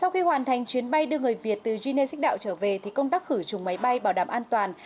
khi hoàn thành chuyến bay đưa người việt từ geneva xích đạo trở về thì công tác khử chùng máy bay bảo đảm an toàn